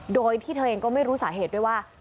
โดยที่เธอเองก็ไม่รู้สาเหตุด้วยว่า